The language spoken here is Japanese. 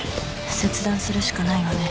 切断するしかないわね。